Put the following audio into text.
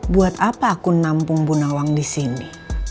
buat apa aku nampung bu nawang disini